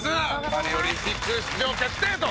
パリオリンピック出場決定と。